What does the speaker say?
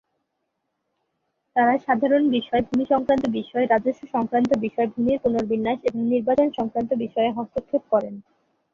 তারা সাধারণ বিষয়, ভূমি সংক্রান্ত বিষয়, রাজস্ব সংক্রান্ত বিষয়, ভূমির পুনর্বিন্যাস এবং নির্বাচন সংক্রান্ত বিষয়ে হস্তক্ষেপ করেন।